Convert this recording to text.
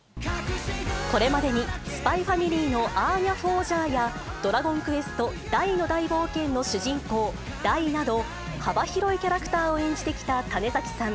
これまでに、ＳＰＹ×ＦＡＭＩＬＹのアーニャ・フォージャーやドラゴンクエストダイの大冒険の主人公、ダイなど、幅広いキャラクターを演じてきた種崎さん。